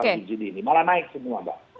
secara subsidi ini malah naik semua mbak